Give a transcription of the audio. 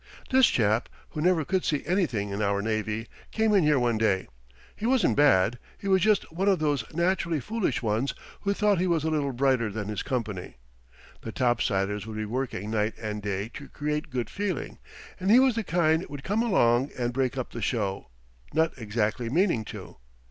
This chap, who never could see anything in our navy, came in here one day. He wasn't bad. He was just one of those naturally foolish ones who thought he was a little brighter than his company. The topsiders would be working night and day to create good feeling, and he was the kind would come along and break up the show not exactly meaning to.